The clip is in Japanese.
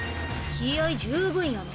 気合い十分やな。